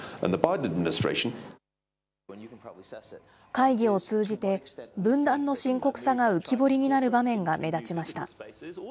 会議を通じて、分断の深刻さが浮き彫りになる場面が目立ちました。